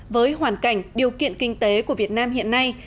với hoàn cảnh điều kiện kinh tế của việt nam hiện nay